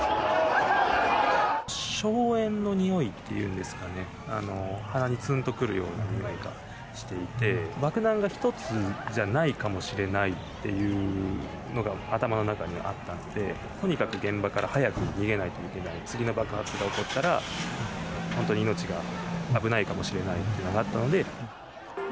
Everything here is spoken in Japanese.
硝煙の臭いっていうんですかね、鼻につんとくるような臭いがしていて、爆弾が１つじゃないかもしれないっていうのが、頭の中にあったので、とにかく現場から早く逃げないといけない、次の爆発が起こったら、本当に命が危ないかもしれないっていうのがあったので。